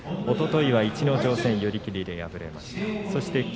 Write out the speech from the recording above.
おとといは逸ノ城戦寄り切りで敗れました。